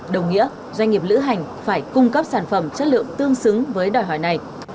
đồng nghĩa doanh nghiệp lữ hành phải cung cấp sản phẩm chất lượng tương xứng với đòi hỏi này